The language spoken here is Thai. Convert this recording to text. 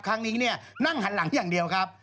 ครั้งนี้เนี่ยนั่งหันหลังอย่างเดียวครับ